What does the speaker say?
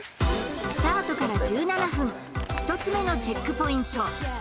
スタートから１７分１つ目のチェックポイント